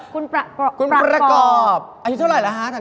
คุณปลากรอบปลากรอบคุณปลากรอบคุณปลากรอบคุณปลากรอบ